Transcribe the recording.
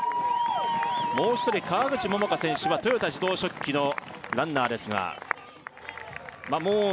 もう一人川口桃佳選手は豊田自動織機のランナーですがまっ